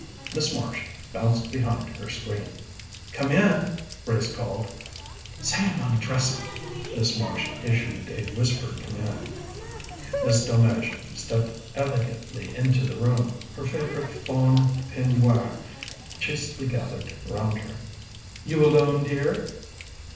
Miss Marsh bounced behind her screen. "Come in," Grace called. "Say I'm undressing," Miss Marsh issued a whispered command. Miss Delmege stepped elegantly into the room, her favourite "fawn" peignoir chastely gathered round her. "You alone, dear?"